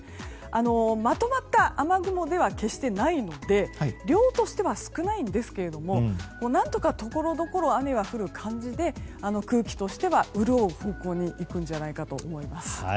まとまった雨雲では決してないので量としては少ないんですが何とか、ところどころ雨が降る感じで空気としては潤う方向にいくんじゃないかと思います。